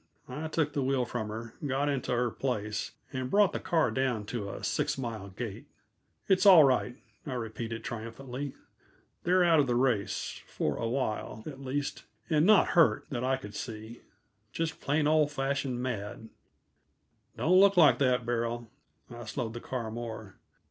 I took the wheel from her, got into her place, and brought the car down to a six mile gait. "It's all right," I repeated triumphantly. "They're out of the race for awhile, at least, and not hurt, that I could see. Just plain, old fashioned mad. Don't look like that, Beryl!" I slowed the car more.